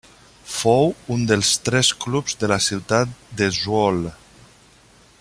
Fou un dels tres clubs de la ciutat de Zwolle.